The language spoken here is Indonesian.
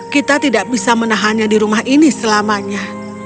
kita tidak bisa menahannya di rumah ini selamanya